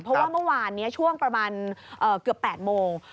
เพราะว่าเมื่อวานนี้ช่วงประมาณเกือบ๘โมง